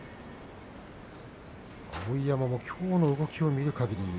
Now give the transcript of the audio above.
碧山のきょうの動きを見るかぎり